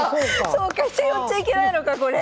そうか飛車寄っちゃいけないのかこれ。